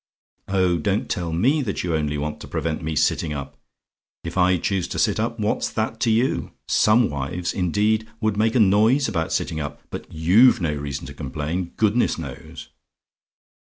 Oh, don't tell me that you only want to prevent me sitting up if I choose to sit up what's that to you? Some wives, indeed, would make a noise about sitting up, but YOU'VE no reason to complain goodness knows!